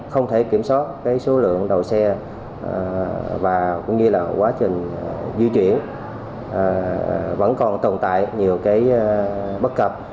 không thể kiểm soát cái số lượng đầu xe và cũng như là quá trình di chuyển vẫn còn tồn tại nhiều bất cập